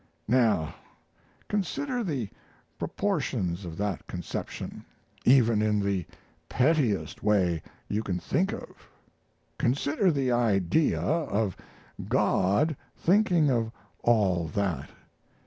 Now consider the proportions of that conception, even in the pettiest way you can think of it. Consider the idea of God thinking of all that.